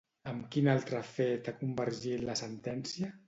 Amb quin altre fet ha convergit la sentència?